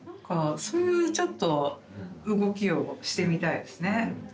そういうちょっと動きをしてみたいですね。